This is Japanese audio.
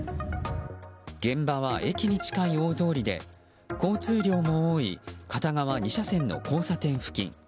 現場は駅に近い大通りで交通量も多い片側２車線の交差点付近。